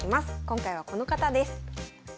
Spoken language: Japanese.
今回はこの方です。